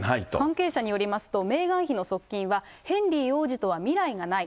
関係者によりますと、メーガン妃の側近は、ヘンリー王子とは未来がない。